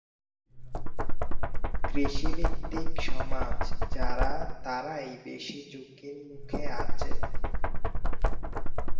কৃষিভিত্তিক সমাজ যারা তারাই বেশি ঝুঁকির মুখে আছে।